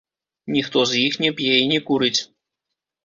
Ніхто з іх не п'е і не курыць.